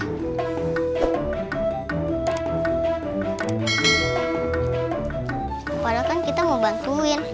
padahal kan kita mau bantuin